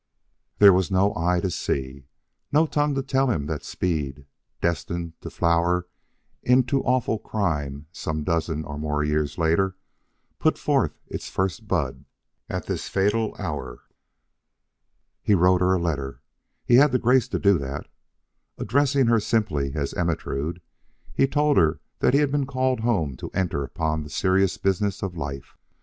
There was no eye to see, and no tongue to tell him that the seed, destined to flower into awful crime some dozen or more years later, put forth its first bud at this fatal hour. He wrote her a letter. He had the grace to do that. Addressing her simply as Ermentrude, he told her that he had been called home to enter upon the serious business of life.